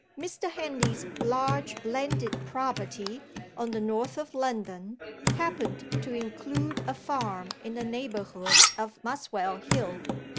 Mr. Henley's large landed property, on the north of London, happened to include a farm in the neighbourhood of Muswell Hill.